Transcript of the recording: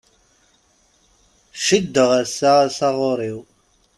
Ciddeɣ ass-a asaɣur-iw.